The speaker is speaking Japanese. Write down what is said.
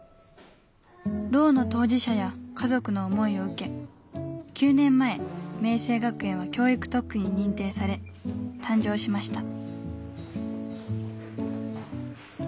ろうの当事者や家族の思いを受け９年前明晴学園は教育特区に認定され誕生しました。